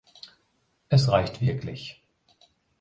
Es reicht wirklich.